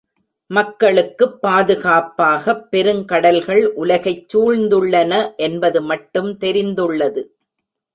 மக்களுக்குப் பாதுகாப்பாகப் பெரும் கடல்கள் உலகைச் சூழ்ந்துள்ளன என்பது மட்டும் தெரிந்துள்ளது.